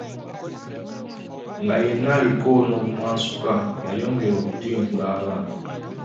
Nga yenna aliko n’obumansuka yayongera okutimpula abaana.